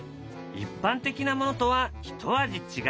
一般的なものとは一味違う。